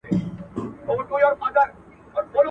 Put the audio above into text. قلاګاني د بابا له ميراثونو.